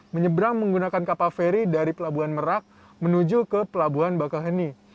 menyeberang menggunakan kapal feri dari pelabuhan merak menuju ke pelabuhan bakalheni